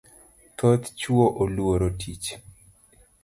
Thoth chuo oluoro tich